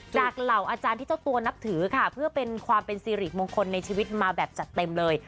เหล่าอาจารย์ที่เจ้าตัวนับถือค่ะเพื่อเป็นความเป็นสิริมงคลในชีวิตมาแบบจัดเต็มเลย